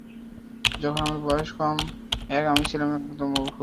যখন আমার বয়স এক, আমি ছিলাম একদম অবুঝ।